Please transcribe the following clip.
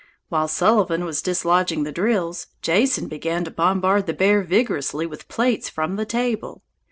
While Sullivan was dislodging the drills, Jason began to bombard the bear vigorously with plates from the table.